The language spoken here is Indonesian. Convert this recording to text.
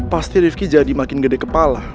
pasti rifki jadi makin gede kepala